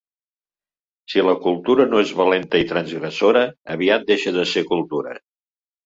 Si la cultura no és valenta i transgressora, aviat deixa de ser cultura.